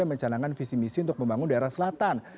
mencanangkan visi misi untuk membangun daerah selatan